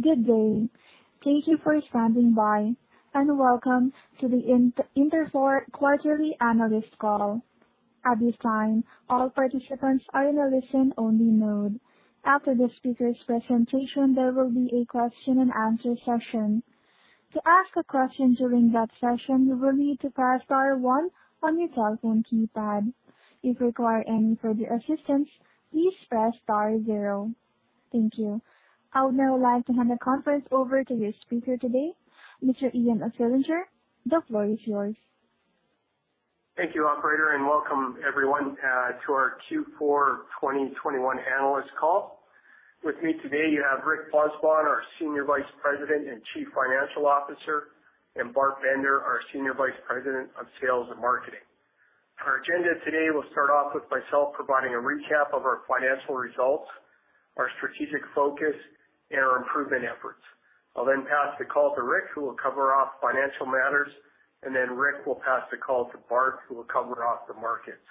Good day. Thank you for standing by and welcome to the Interfor quarterly analyst call. At this time, all participants are in a listen-only mode. After the speakers' presentation, there will be a question and answer session. To ask a question during that session, you will need to press star one on your telephone keypad. If you require any further assistance, please press star zero. Thank you. I would now like to hand the conference over to your speaker today, Mr. Ian Fillinger. The floor is yours. Thank you, operator, and welcome everyone to our Q4 2021 analyst call. With me today, you have Rick Pozzebon, our Senior Vice President and Chief Financial Officer, and Bart Bender, our Senior Vice President of Sales and Marketing. Our agenda today will start off with myself providing a recap of our financial results, our strategic focus and our improvement efforts. I'll then pass the call to Rick, who will cover off financial matters, and then Rick will pass the call to Bart, who will cover off the markets.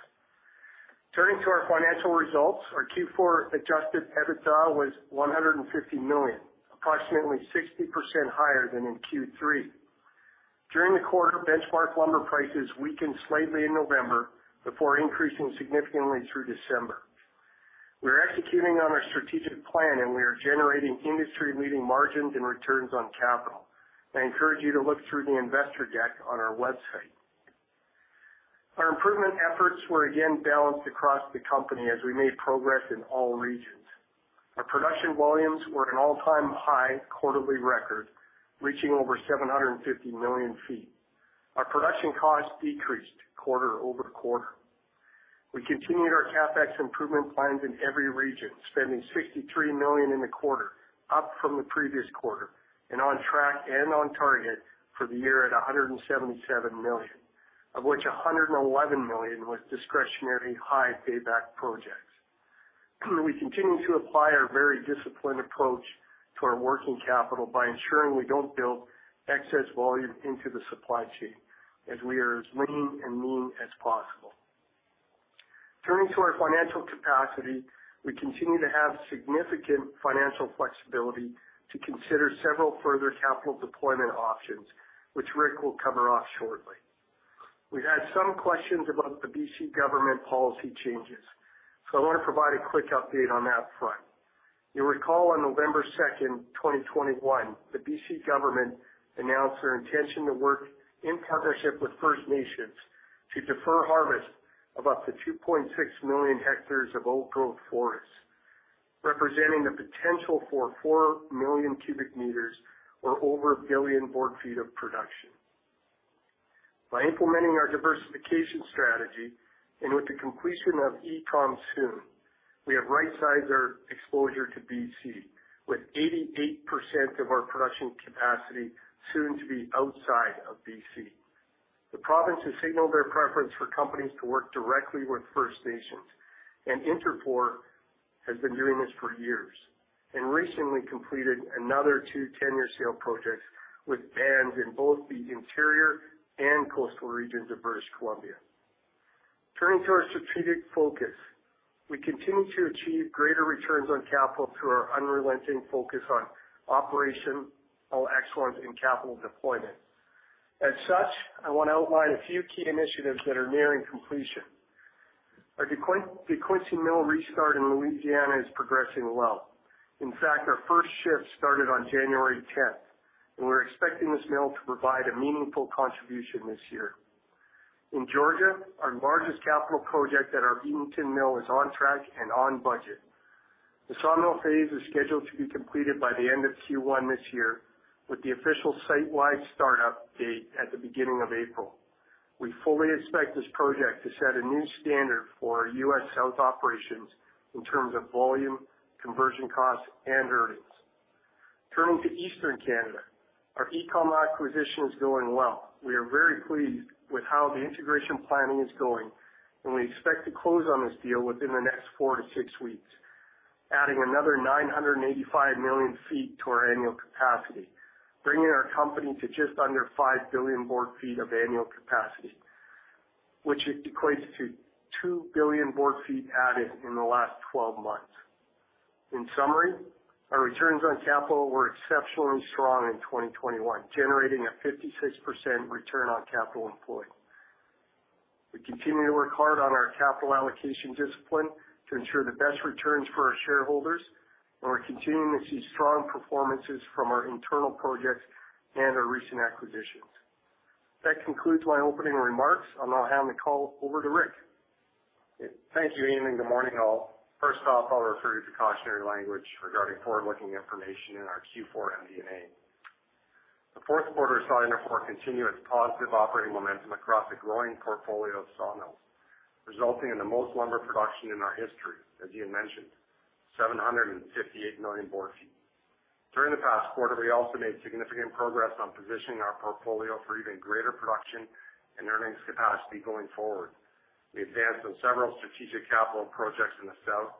Turning to our financial results, our Q4 Adjusted EBITDA was 150 million, approximately 60% higher than in Q3. During the quarter, benchmark lumber prices weakened slightly in November before increasing significantly through December. We're executing on our strategic plan and we are generating industry-leading margins and returns on capital. I encourage you to look through the investor deck on our website. Our improvement efforts were again balanced across the company as we made progress in all regions. Our production volumes were an all-time high quarterly record, reaching over 750 million feet. Our production costs decreased quarter-over-quarter. We continued our CapEx improvement plans in every region, spending 63 million in the quarter, up from the previous quarter, and on track and on target for the year at 177 million, of which 111 million was discretionary high payback projects. We continue to apply our very disciplined approach to our working capital by ensuring we don't build excess volume into the supply chain as we are as lean and mean as possible. Turning to our financial capacity, we continue to have significant financial flexibility to consider several further capital deployment options which Rick will cover off shortly. We've had some questions about the BC government policy changes, so I want to provide a quick update on that front. You'll recall on November 2, 2021, the BC government announced their intention to work in partnership with First Nations to defer harvest of up to 2.6 million hectares of old growth forests, representing the potential for 4 million cubic meters or over a billion board feet of production. By implementing our diversification strategy, and with the completion of EACOM soon, we have right-sized our exposure to BC, with 88% of our production capacity soon to be outside of BC. The province has signaled their preference for companies to work directly with First Nations, and Interfor has been doing this for years, and recently completed another two tenure sale projects with bands in both the interior and coastal regions of British Columbia. Turning to our strategic focus, we continue to achieve greater returns on capital through our unrelenting focus on operational excellence and capital deployment. As such, I want to outline a few key initiatives that are nearing completion. Our DeQuincy mill restart in Louisiana is progressing well. In fact, our first shift started on January tenth, and we're expecting this mill to provide a meaningful contribution this year. In Georgia, our largest capital project at our Bevington mill is on track and on budget. The sawmill phase is scheduled to be completed by the end of Q1 this year, with the official site-wide start up date at the beginning of April. We fully expect this project to set a new standard for our U.S. South operations in terms of volume, conversion costs and earnings. Turning to Eastern Canada, our EACOM acquisition is going well. We are very pleased with how the integration planning is going, and we expect to close on this deal within the next 4-6 weeks, adding another 985 million feet to our annual capacity, bringing our company to just under 5 billion board feet of annual capacity, which equates to 2 billion board feet added in the last 12 months. In summary, our returns on capital were exceptionally strong in 2021, generating a 56% return on capital employed. We continue to work hard on our capital allocation discipline to ensure the best returns for our shareholders, and we're continuing to see strong performances from our internal projects and our recent acquisitions. That concludes my opening remarks. I'll now hand the call over to Rick. Thank you, Ian, and good morning all. First off, I'll refer you to cautionary language regarding forward-looking information in our Q4 MD&A. The fourth quarter saw Interfor continue its positive operating momentum across a growing portfolio of sawmills, resulting in the most lumber production in our history, as Ian mentioned, 758 million board feet. During the past quarter, we also made significant progress on positioning our portfolio for even greater production and earnings capacity going forward. We advanced on several strategic capital projects in the South.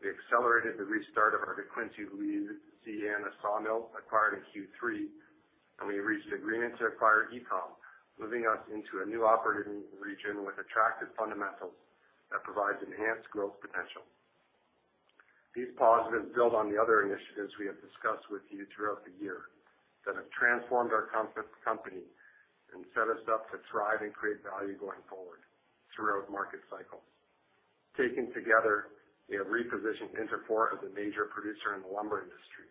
We accelerated the restart of our DeQuincy, Louisiana sawmill acquired in Q3. We reached an agreement to acquire EACOM, moving us into a new operating region with attractive fundamentals that provides enhanced growth potential. These positives build on the other initiatives we have discussed with you throughout the year that have transformed our company and set us up to thrive and create value going forward throughout market cycles. Taken together, we have repositioned Interfor as a major producer in the lumber industry,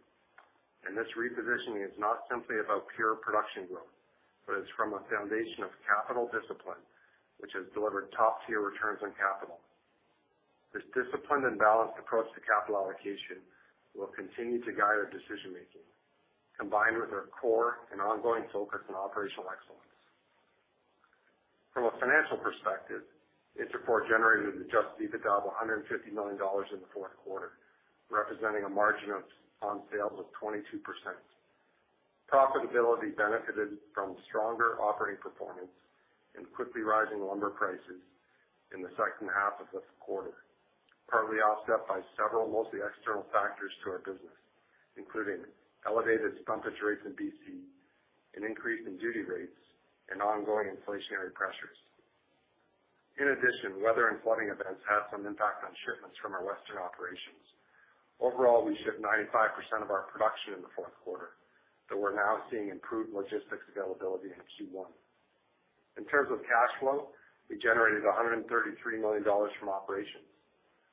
and this repositioning is not simply about pure production growth, but it's from a foundation of capital discipline, which has delivered top-tier returns on capital. This disciplined and balanced approach to capital allocation will continue to guide our decision-making, combined with our core and ongoing focus on operational excellence. From a financial perspective, Interfor generated Adjusted EBITDA of 150 million dollars in the fourth quarter, representing a margin of 22% on sales. Profitability benefited from stronger operating performance and quickly rising lumber prices in the second half of the quarter, partly offset by several mostly external factors to our business, including elevated stumpage rates in BC, an increase in duty rates, and ongoing inflationary pressures. In addition, weather and flooding events had some impact on shipments from our Western operations. Overall, we shipped 95% of our production in the fourth quarter, but we're now seeing improved logistics availability in Q1. In terms of cash flow, we generated 133 million dollars from operations.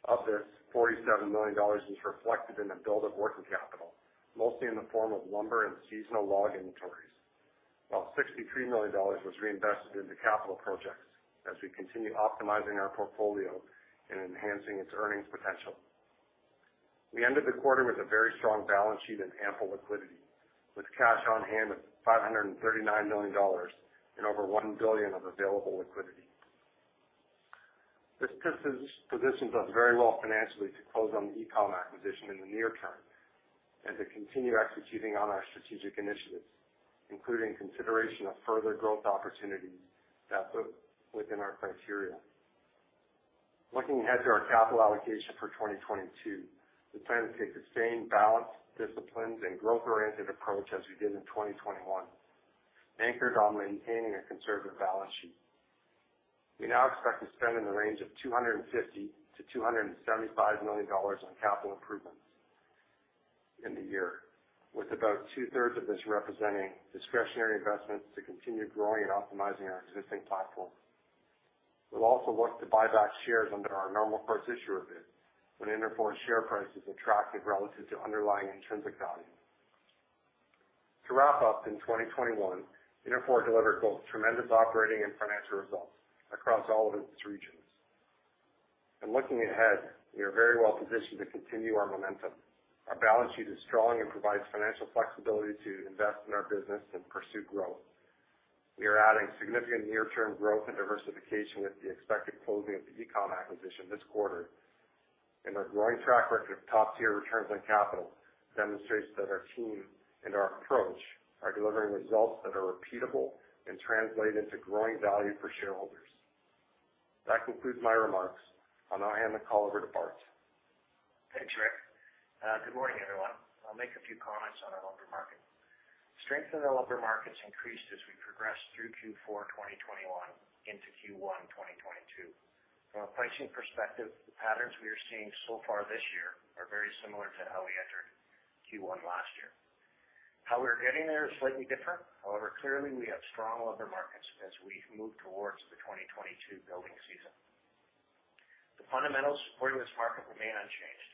Of this, 47 million dollars is reflected in the build of working capital, mostly in the form of lumber and seasonal log inventories, while 63 million dollars was reinvested into capital projects as we continue optimizing our portfolio and enhancing its earnings potential. We ended the quarter with a very strong balance sheet and ample liquidity, with cash on hand of $539 million and over $1 billion of available liquidity. This positions us very well financially to close on the EACOM acquisition in the near term and to continue executing on our strategic initiatives, including consideration of further growth opportunities that fit within our criteria. Looking ahead to our capital allocation for 2022, we plan to take the same balanced disciplines and growth-oriented approach as we did in 2021, anchored on maintaining a conservative balance sheet. We now expect to spend in the range of $250 million-$275 million on capital improvements in the year, with about two-thirds of this representing discretionary investments to continue growing and optimizing our existing platforms. We'll also look to buy back shares under our Normal Course Issuer Bid when Interfor's share price is attractive relative to underlying intrinsic value. To wrap up, in 2021, Interfor delivered both tremendous operating and financial results across all of its regions. Looking ahead, we are very well positioned to continue our momentum. Our balance sheet is strong and provides financial flexibility to invest in our business and pursue growth. We are adding significant near-term growth and diversification with the expected closing of the EACOM acquisition this quarter. Our growing track record of top-tier returns on capital demonstrates that our team and our approach are delivering results that are repeatable and translate into growing value for shareholders. That concludes my remarks. I'll now hand the call over to Bart. Thanks, Rick. Good morning, everyone. I'll make a few comments on our lumber market. Strength in our lumber markets increased as we progressed through Q4 2021 into Q1 2022. From a pricing perspective, the patterns we are seeing so far this year are very similar to how we entered Q1 last year. How we're getting there is slightly different. However, clearly we have strong lumber markets as we move towards the 2022 building season. The fundamentals supporting this market remain unchanged.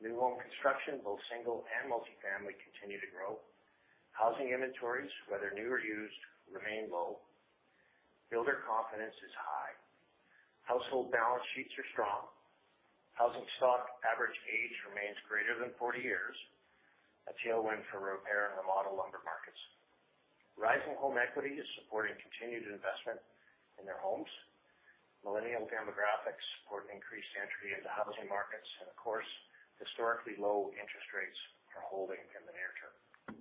New home construction, both single and multifamily, continue to grow. Housing inventories, whether new or used, remain low. Builder confidence is high. Household balance sheets are strong. Housing stock average age remains greater than 40 years, a tailwind for repair and remodel lumber markets. Rising home equity is supporting continued investment in their homes. Millennial demographics support increased entry into housing markets, and of course, historically low interest rates are holding in the near term.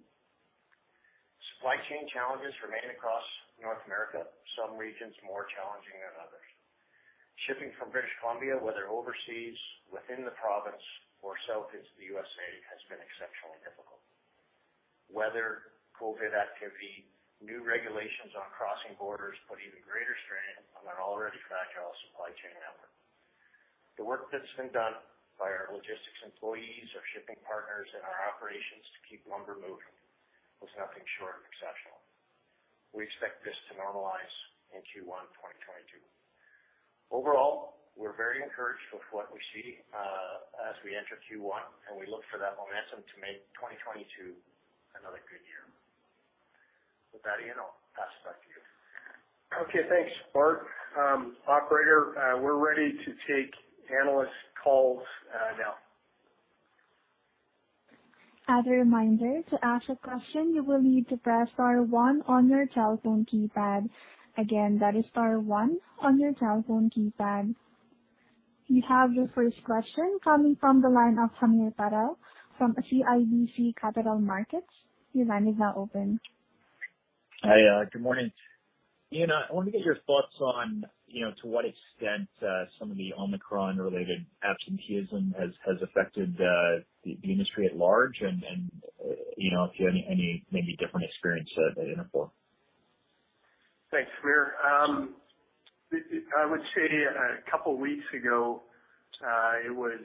Supply chain challenges remain across North America, some regions more challenging than others. Shipping from British Columbia, whether overseas, within the province or south into the USA, has been exceptionally difficult. Weather, COVID activity, new regulations on crossing borders put even greater strain on an already fragile supply chain network. The work that's been done by our logistics employees, our shipping partners, and our operations to keep lumber moving was nothing short of exceptional. We expect this to normalize in Q1 2022. Overall, we're very encouraged with what we see as we enter Q1, and we look for that momentum to make 2022 another good year. With that, Ian, I'll pass it back to you. Okay. Thanks, Bart. Operator, we're ready to take analyst calls now. You have your first question coming from the line of Hamir Patel from CIBC Capital Markets. Your line is now open. Hi, good morning. Ian, I want to get your thoughts on, you know, to what extent some of the Omicron-related absenteeism has affected the industry at large. You know, if you had any maybe different experience at Interfor. Thanks, Hamir. I would say a couple weeks ago, it was,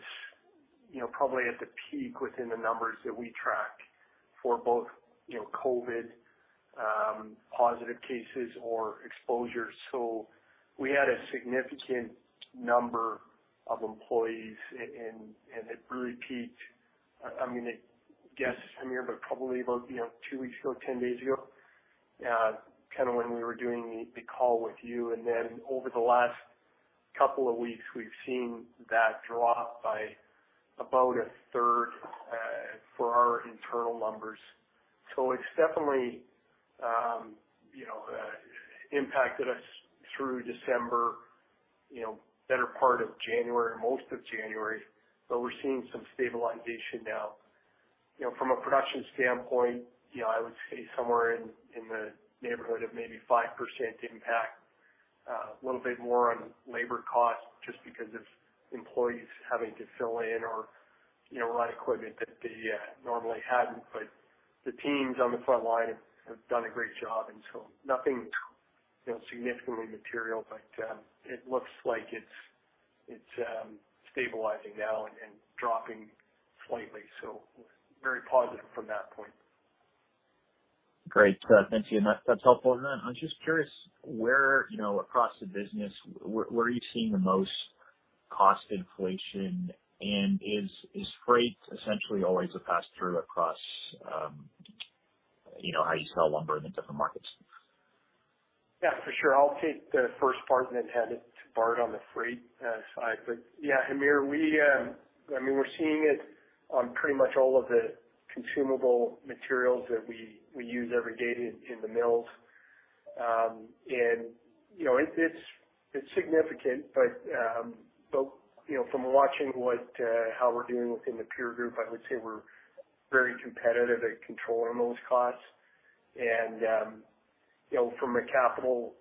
you know, probably at the peak within the numbers that we track for both, you know, COVID positive cases or exposures. So we had a significant number of employees in, and it really peaked, I mean, I guess, Hamir, but probably about, you know, two weeks ago, ten days ago, kind of when we were doing the call with you. And then over the last couple of weeks, we've seen that drop by about a third for our internal numbers. So it's definitely impacted us through December, you know, better part of January, most of January. We're seeing some stabilization now. You know, from a production standpoint, you know, I would say somewhere in the neighborhood of maybe 5% impact, a little bit more on labor costs just because of employees having to fill in or, you know, run equipment that they normally hadn't. But the teams on the front line have done a great job, and so nothing significantly material. But it looks like it's stabilizing now and dropping slightly, so very positive from that point. Great. Thanks, Ian. That's helpful. I'm just curious where across the business you are seeing the most cost inflation? Is freight essentially always a pass-through across how you sell lumber in the different markets? Yeah, for sure. I'll take the first part and then hand it to Bart on the freight side. Yeah, Amir, I mean, we're seeing it on pretty much all of the consumable materials that we use every day in the mills. You know, it's significant, but you know, from watching how we're doing within the peer group, I would say we're very competitive at controlling those costs. You know, from a capital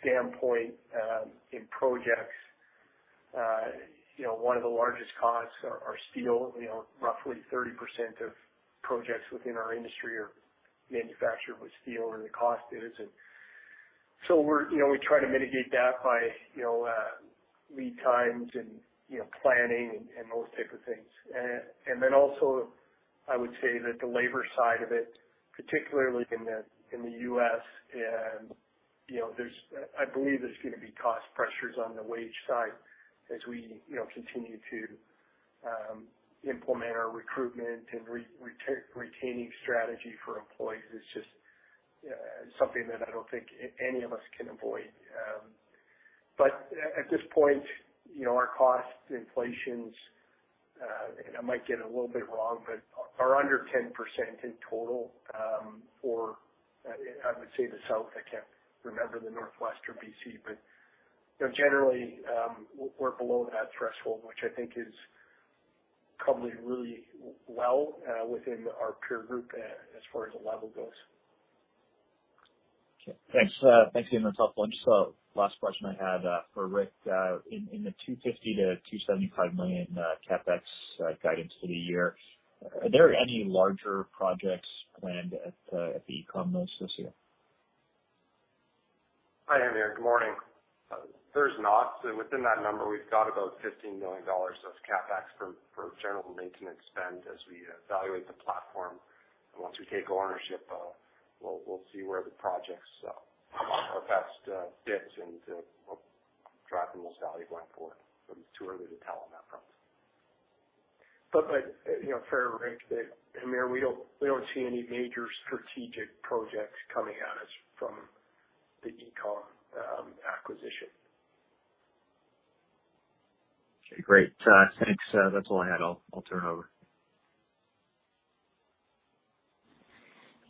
standpoint, in projects, you know, one of the largest costs are steel. You know, roughly 30% of projects within our industry are manufactured with steel, and the cost is. You know, we try to mitigate that by, you know, lead times and, you know, planning and those type of things. I would say that the labor side of it, particularly in the U.S., and you know, I believe there's gonna be cost pressures on the wage side as we, you know, continue to implement our recruitment and retaining strategy for employees. It's just something that I don't think any of us can avoid. At this point, you know, our cost inflations, and I might get it a little bit wrong, but are under 10% in total, for I would say the South. I can't remember the Northwest or BC, but you know, generally, we're below that threshold, which I think is probably really well within our peer group as far as the level goes. Okay. Thanks. Thanks, Ian. That's helpful. Just, last question I had, for Rick. In the 250 million-275 million CapEx guidance for the year, are there any larger projects planned at the EACOM mills this year? Hi, Amir. Good morning. Within that number, we've got about $15 million of CapEx for general maintenance spend as we evaluate the platform. Once we take ownership, we'll see where the projects are best fits and will drive the most value going forward. It's too early to tell on that front. you know, fair to Rick, Hamir, we don't see any major strategic projects coming at us from the EACOM acquisition. Okay, great. Thanks. That's all I had. I'll turn it over.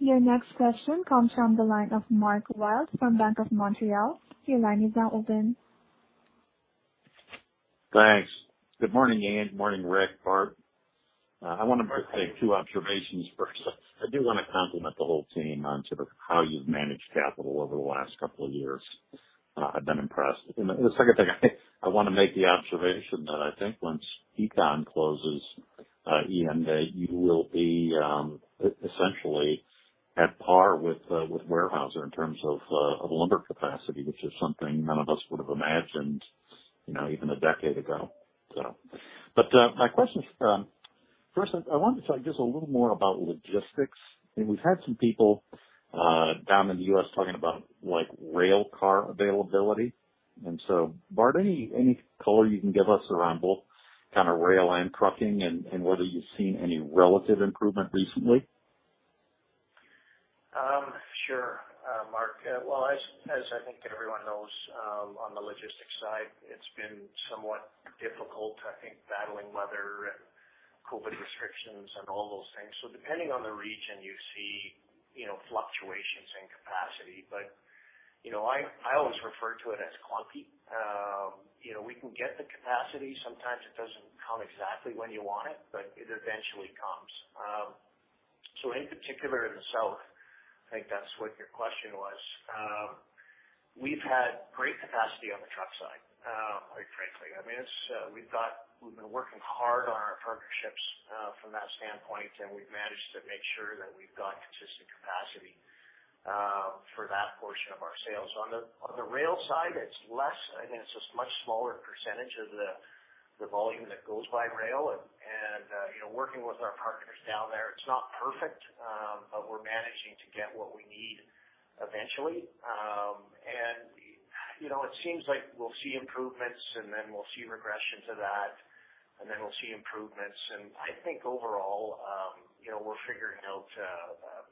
Your next question comes from the line of Mark Wilde from Bank of Montreal. Your line is now open. Thanks. Good morning, Ian. Morning, Rick, Bart. I wanna make two observations first. I do wanna compliment the whole team on sort of how you've managed capital over the last couple of years. I've been impressed. The second thing, I wanna make the observation that I think once EACOM closes, Ian, that you will be essentially at par with Weyerhaeuser in terms of of lumber capacity, which is something none of us would have imagined, you know, even a decade ago. My questions. First I wanted to talk just a little more about logistics. I mean, we've had some people down in the U.S. talking about, like, railcar availability. Bart, any color you can give us around both kind of rail and trucking and whether you've seen any relative improvement recently? Sure, Mark. Well, as I think everyone knows, on the logistics side, it's been somewhat difficult, I think, battling weather and COVID restrictions and all those things. Depending on the region, you see, you know, fluctuations in capacity. But You know, I always refer to it as clumpy. You know, we can get the capacity. Sometimes it doesn't come exactly when you want it, but it eventually comes. In particular in the South, I think that's what your question was. We've had great capacity on the truck side, quite frankly. I mean, we've been working hard on our partnerships, from that standpoint, and we've managed to make sure that we've got consistent capacity, for that portion of our sales. On the rail side, it's less. I think it's just much smaller percentage of the volume that goes by rail, you know, working with our partners down there, it's not perfect, but we're managing to get what we need eventually. you know, it seems like we'll see improvements and then we'll see regressions of that, and then we'll see improvements. I think overall, you know, we're figuring out,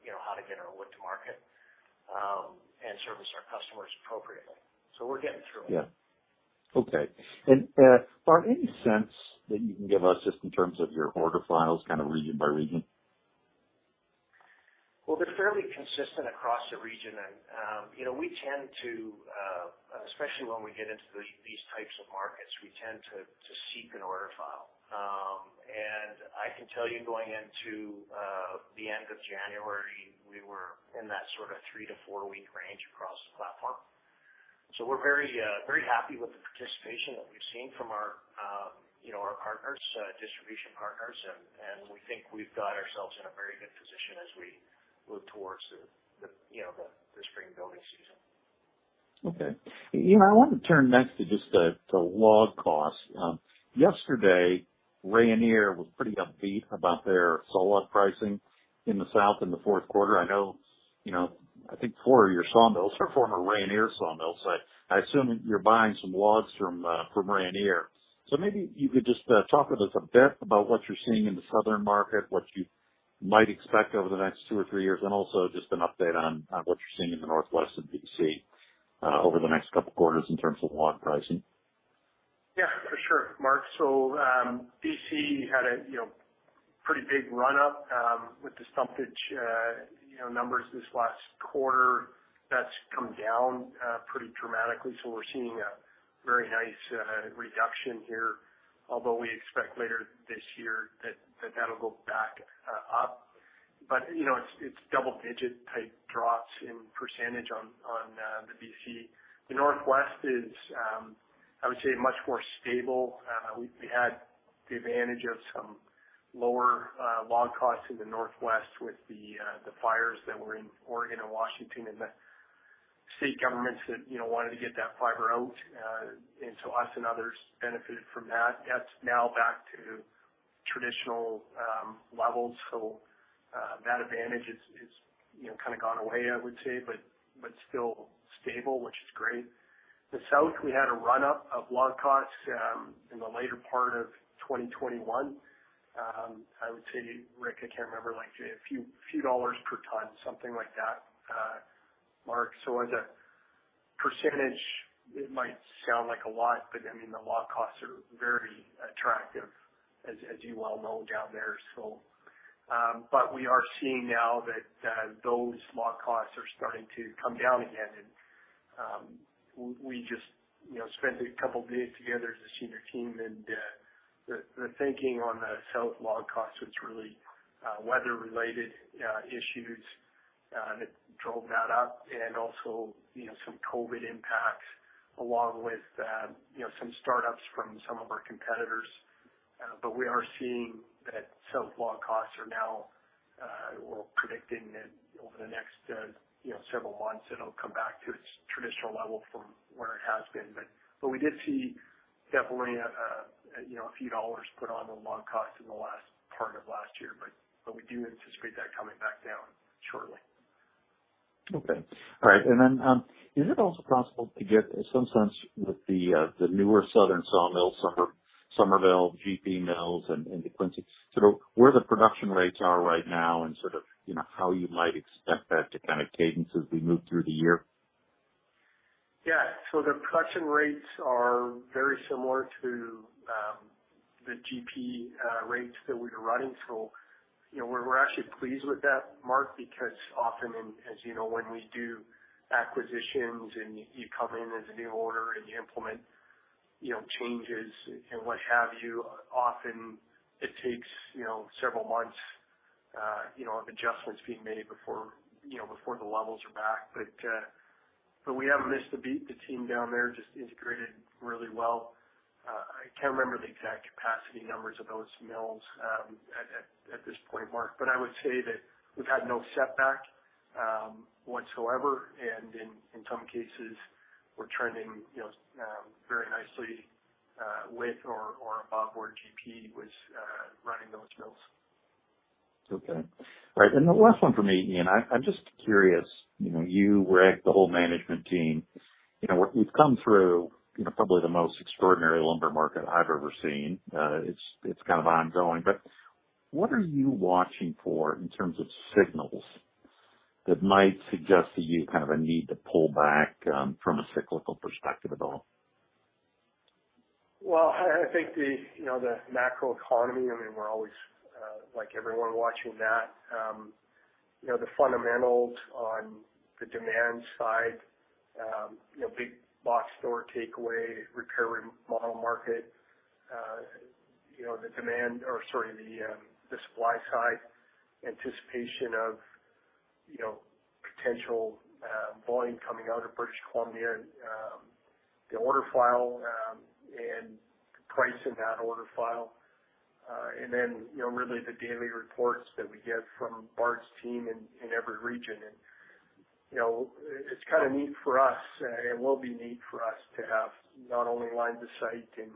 you know, how to get our wood to market, and service our customers appropriately. We're getting through it. Yeah. Okay. Is there any sense that you can give us just in terms of your order files, kind of region by region? Well, they're fairly consistent across the region. You know, we tend to, especially when we get into these types of markets, we tend to seek an order file. I can tell you, going into the end of January, we were in that sort of 3-4 week range across the platform. We're very happy with the participation that we've seen from our, you know, our partners, distribution partners. We think we've got ourselves in a very good position as we move towards the, you know, the spring building season. Okay. Ian, I want to turn next to just the log costs. Yesterday, Rayonier was pretty upbeat about their sawlog pricing in the South in the fourth quarter. I know, you know, I think 4 of your sawmills are former Rayonier sawmills. I assume you're buying some logs from Rayonier. Maybe you could just talk with us a bit about what you're seeing in the southern market, what you might expect over the next 2 or 3 years, and also just an update on what you're seeing in the Northwest and BC over the next couple quarters in terms of log pricing. Yeah, for sure, Mark. BC had a you know pretty big run up with the stumpage you know numbers this last quarter. That's come down pretty dramatically. We're seeing a very nice reduction here, although we expect later this year that that'll go back up. You know, it's double digit type drops in percentage on the BC. The Northwest is I would say much more stable. We've had the advantage of some lower log costs in the Northwest with the fires that were in Oregon and Washington and the state governments that you know wanted to get that fiber out. Us and others benefited from that. That's now back to traditional levels. That advantage is, you know, kind of gone away, I would say, but still stable, which is great. The South, we had a run up of log costs in the later part of 2021. I would say, Rick, I can't remember, like a few dollars per ton, something like that, Mark. So as a percentage, it might sound like a lot, but I mean, the log costs are very attractive, as you well know down there. But we are seeing now that those log costs are starting to come down again. We just, you know, spent a couple of days together as a senior team. The thinking on the South log costs was really weather-related issues that drove that up and also, you know, some COVID impacts along with, you know, some startups from some of our competitors. We are seeing that South log costs are now, we're predicting that over the next, you know, several months, it'll come back to its traditional level from where it has been. We did see definitely, you know, a few dollars put on the log cost in the last part of last year. We do anticipate that coming back down shortly. Okay. All right. Is it also possible to get some sense with the newer southern sawmill, Summerville Georgia-Pacific mills and the DeQuincy sort of where the production rates are right now and sort of, you know, how you might expect that to kind of cadence as we move through the year? Yeah. The production rates are very similar to the Georgia-Pacific rates that we were running. You know, we're actually pleased with that Mark, because often in, as you know, when we do acquisitions and you come in as a new owner and you implement, you know, changes and what have you, often it takes, you know, several months of adjustments being made before, you know, before the levels are back. We haven't missed a beat. The team down there just integrated really well. I can't remember the exact capacity numbers of those mills at this point, Mark, but I would say that we've had no setback whatsoever. In some cases we're trending, you know, very nicely with or above where Georgia-Pacific was running those mills. Okay. All right. The last one for me, Ian, I'm just curious, you know, you, Rick, the whole management team, you know, you've come through, you know, probably the most extraordinary lumber market I've ever seen. It's kind of ongoing, but what are you watching for in terms of signals that might suggest to you kind of a need to pull back from a cyclical perspective at all? Well, I think the, you know, the macro economy, I mean, we're always, like everyone, watching that. You know, the fundamentals on the demand side, you know, big box store takeaway, repair and remodel market, you know, the supply side anticipation of, you know, potential, volume coming out of British Columbia. The order file, and pricing that order file. And then, you know, really the daily reports that we get from Bart's team in every region. You know, it's kinda neat for us, it will be neat for us to have not only line of sight in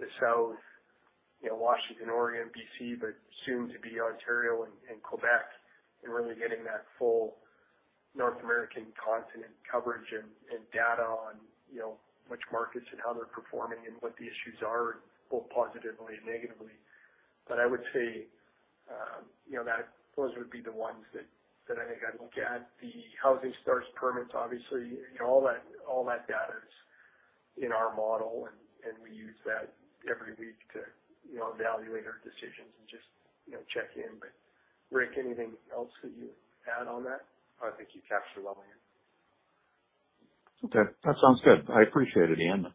the south, you know, Washington, Oregon, BC, but soon to be Ontario and Quebec, and really getting that full North American continent coverage and data on, you know, which markets and how they're performing and what the issues are, both positively and negatively. I would say, you know, that those would be the ones that I think I look at. The housing starts permits obviously, you know, all that data is in our model, and we use that every week to, you know, evaluate our decisions and just, you know, check in. Rick, anything else that you add on that? I think you captured it well, Ian. Okay. That sounds good. I appreciate it, Ian,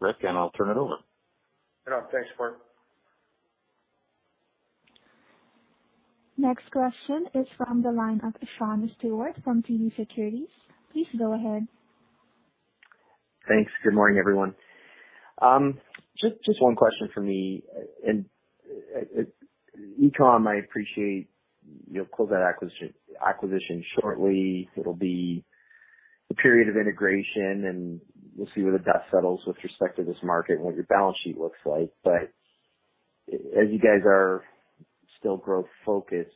Rick, and I'll turn it over. No, thanks, Mark. Next question is from the line of Sean Steuart from TD Securities. Please go ahead. Thanks. Good morning, everyone. Just one question from me. EACOM, I appreciate you'll close that acquisition shortly. It'll be a period of integration, and we'll see where the dust settles with respect to this market and what your balance sheet looks like. As you guys are still growth focused,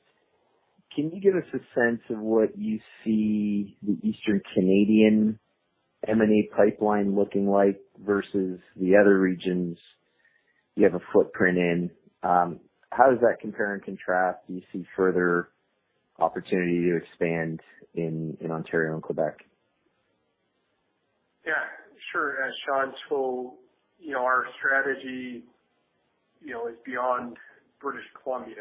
can you give us a sense of what you see the eastern Canadian M&A pipeline looking like versus the other regions you have a footprint in? How does that compare and contrast? Do you see further opportunity to expand in Ontario and Quebec? Yeah, sure. As Sean, you know, our strategy, you know, is beyond British Columbia.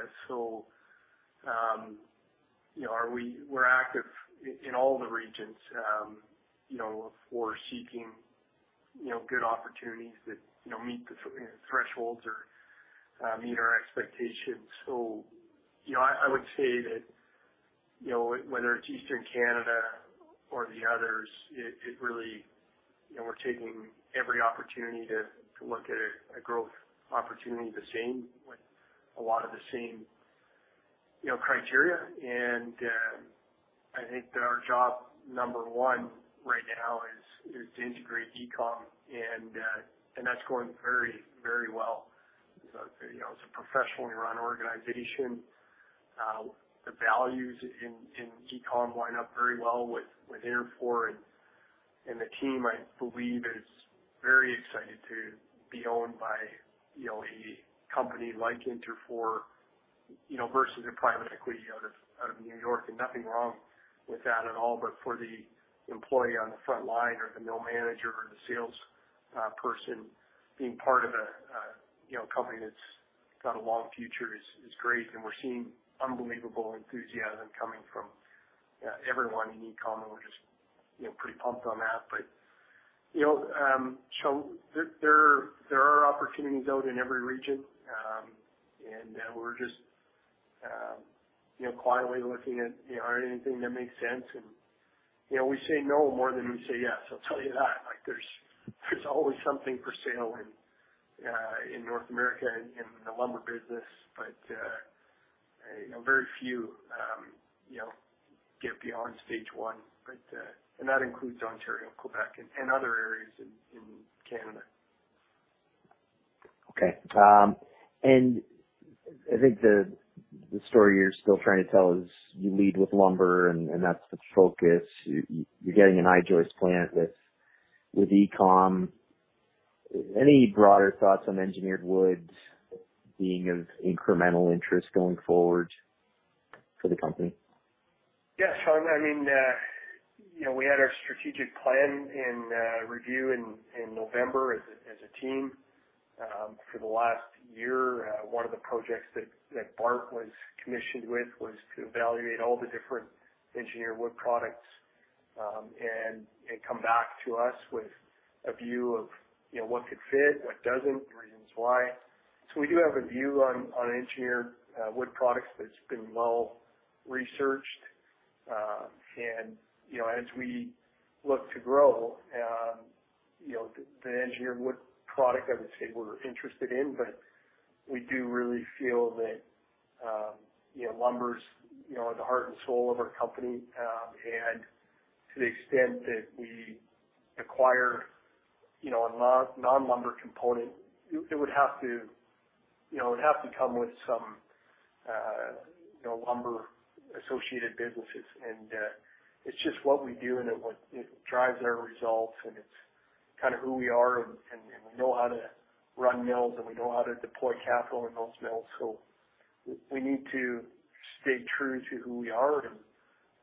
You know, we're active in all the regions, you know, for seeking, you know, good opportunities that, you know, meet the thresholds or meet our expectations. You know, I would say that, you know, whether it's Eastern Canada or the others, it really, you know, we're taking every opportunity to look at a growth opportunity the same with a lot of the same, you know, criteria. I think that our job number one right now is to integrate EACOM and that's going very, very well. You know, it's a professionally run organization. The values in EACOM line up very well with Interfor, and the team I believe is very excited to be owned by, you know, a company like Interfor, you know, versus a private equity out of New York. Nothing wrong with that at all. For the employee on the front line or the mill manager or the sales person, being part of a, you know, company that's got a long future is great. We're seeing unbelievable enthusiasm coming from everyone in EACOM, and we're just, you know, pretty pumped on that. You know, Sean, there are opportunities out in every region. We're just, you know, quietly looking at, you know, anything that makes sense. You know, we say no more than we say yes, I'll tell you that. Like, there's always something for sale in North America in the lumber business. You know, very few you know get beyond stage one. And that includes Ontario, Quebec and other areas in Canada. Okay. I think the story you're still trying to tell is you lead with lumber and that's the focus. You're getting an I-joist plant with EACOM. Any broader thoughts on engineered woods being of incremental interest going forward for the company? Yeah, Sean, I mean, you know, we had our strategic plan in review in November as a team. For the last year, one of the projects that Bart was commissioned with was to evaluate all the different engineered wood products, and come back to us with a view of, you know, what could fit, what doesn't, the reasons why. So we do have a view on engineered wood products that's been well-researched. You know, as we look to grow, you know, the engineered wood product, I would say we're interested in, but we do really feel that, you know, lumber's the heart and soul of our company. To the extent that we acquire, you know, a non-lumber component, it would have to come with some, you know, lumber associated businesses. It's just what we do, and it drives our results, and it's kind of who we are, and we know how to run mills, and we know how to deploy capital in those mills. We need to stay true to who we are.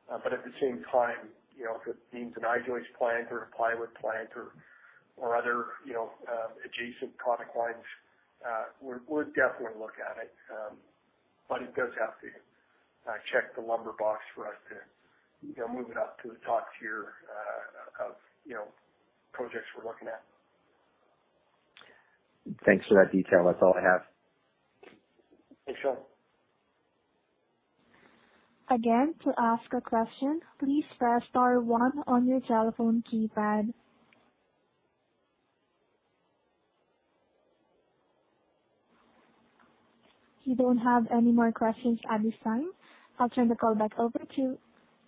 At the same time, you know, if it means an I-joist plant or a plywood plant or other, you know, adjacent product lines, we'll definitely look at it. It does have to check the lumber box for us to, you know, move it up to the top tier of projects we're looking at. Thanks for that detail. That's all I have. Thanks, Sean. Again, to ask a question, please press star one on your telephone keypad. You don't have any more questions at this time. I'll turn the call back over to you.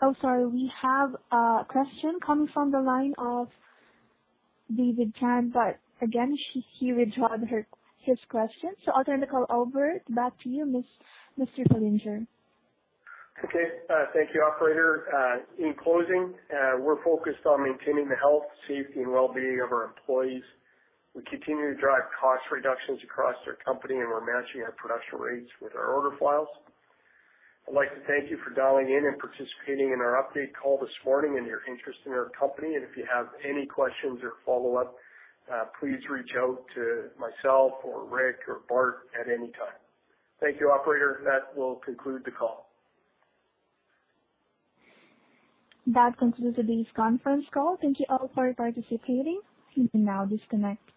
Oh, sorry. We have a question coming from the line of David Chan, but again, he withdrew his question. I'll turn the call back over to you, Mr. Fillinger. Okay. Thank you, operator. In closing, we're focused on maintaining the health, safety, and well-being of our employees. We continue to drive cost reductions across our company, and we're matching our production rates with our order files. I'd like to thank you for dialing in and participating in our update call this morning and your interest in our company. If you have any questions or follow-up, please reach out to myself or Rick or Bart at any time. Thank you, operator. That will conclude the call. That concludes today's conference call. Thank you all for participating. You may now disconnect.